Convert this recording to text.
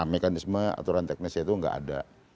mekanisme aturan teknisnya itu nggak ada